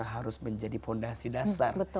harus menjadi fondasi dasar